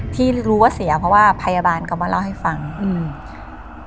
ที่รู้ว่าเสียเพราะว่าพยาบาลเขามาเล่าให้ฟังอืม